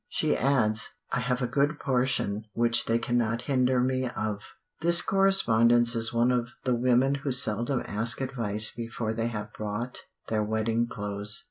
She adds, "I have a good portion which they cannot hinder me of." This correspondent is one of "the women who seldom ask advice before they have bought their wedding clothes."